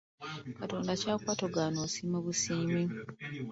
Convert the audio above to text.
Katonda ky’akuwa togaana osiima busiimi.